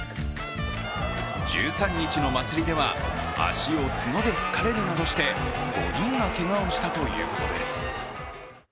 １３日の祭りでは脚を角で突かれるなどして５人がけがをしたということです。